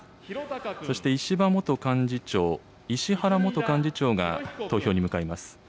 そして、石破元幹事長、石原元幹事長が投票に向かいます。